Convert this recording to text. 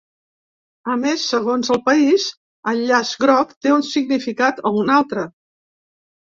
A més, segons els país, el llaç groc té un significat o un altre.